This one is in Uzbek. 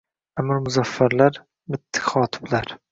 Amir Muzaffarlar – mitti xotiblar.